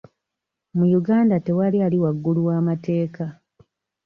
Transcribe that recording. Mu Uganda tewali ali waggulu w'amateeka.